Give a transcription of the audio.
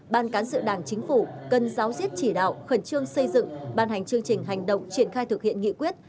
ban cán sự đảng chính phủ cần giáo diết chỉ đạo khẩn trương xây dựng ban hành chương trình hành động triển khai thực hiện nghị quyết